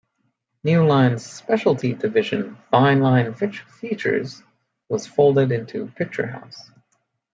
New Line's specialty division Fine Line Features was folded into Picturehouse.